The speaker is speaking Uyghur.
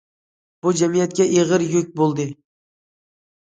بۇ، جەمئىيەتكە ئېغىر يۈك بولدى.